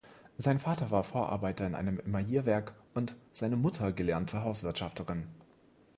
Sein Vater war Vorarbeiter in einem Emaillierwerk und seine Mutter gelernte Hauswirtschafterin.